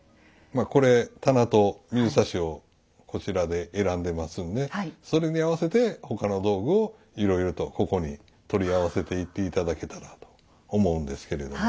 これ棚と水指をこちらで選んでますんでそれに合わせて他の道具をいろいろとここに取り合わせていって頂けたらと思うんですけれど。